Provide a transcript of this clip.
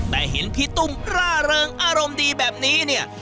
แต่เห็นพี่ตุ้มร่าเริงอารมณ์ดีแบบนี้เนี่ย